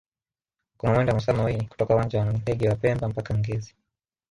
kuna mwendo wa masaa mawili kutoka uwanja wa ndege wa pemba mpaka ngezi